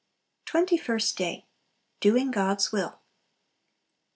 Twenty first Day. Doing God's Will.